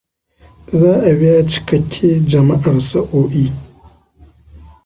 Za a biya cikakke Jama'ar sa’oi.